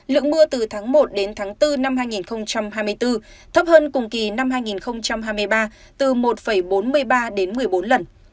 lượng mưa từ tháng một đến tháng bốn năm hai nghìn hai mươi bốn thấp hơn cùng kỳ năm hai nghìn hai mươi ba từ một bốn mươi ba đến một mươi bốn lần